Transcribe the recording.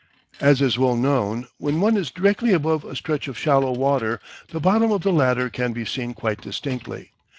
As is well known, when one is directly above a stretch of shallow water, the bottom of the latter can be seen quite distinctly.